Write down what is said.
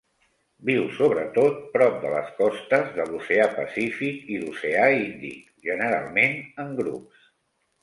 Viu sobretot prop de les costes de l'Oceà Pacífic i l'Oceà Índic, generalment en grups.